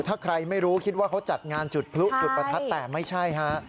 ถ้าใครไม่รู้คิดว่าเขาจัดงานจุดพลุจุดประทัดแต่ไม่ใช่ฮะ